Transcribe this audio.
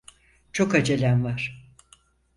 Çok acelem var.